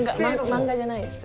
漫画じゃないです。